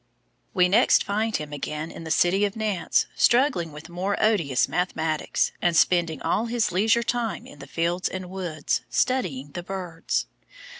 We next find him again in the city of Nantes struggling with more odious mathematics, and spending all his leisure time in the fields and woods, studying the birds.